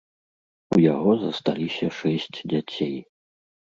У яго засталіся шэсць дзяцей.